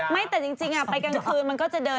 ไปกลางรอดกลางคืนมันเยอะหรอ